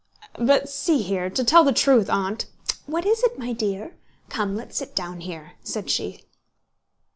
"But see here, to tell the truth, Aunt..." "What is it, my dear? Come, let's sit down here," said she.